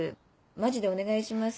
マジでお願いします‼」。